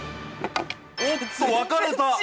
おっと分かれた！